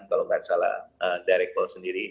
kalau nggak salah direct call sendiri